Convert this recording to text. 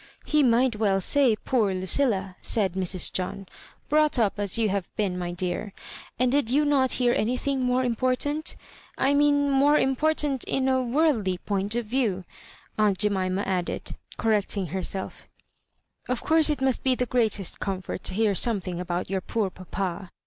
" He might well say, Poor Lucilla 1 " said Mrs. John —*• brought up as you have been, my dear ; and did not you bear anything more important ?— I mean, more important in a vrorldly point of view," aunt Jemima added, correcting herself; " of course, it must be the greatest comfort to hear something about your poor papa."